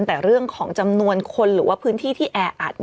แต่เรื่องของจำนวนคนหรือว่าพื้นที่ที่แออัด